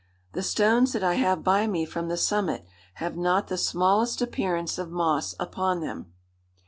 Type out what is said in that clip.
The stones that I have by me from the summit have not the smallest appearance of moss upon them.